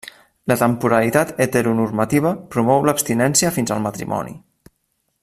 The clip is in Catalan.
La temporalitat heteronormativa promou l'abstinència fins al matrimoni.